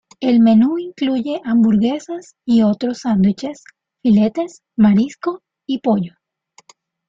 El menú incluye hamburguesas y otros sándwiches, filetes, marisco y pollo.